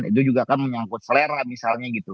itu juga kan menyangkut selera misalnya gitu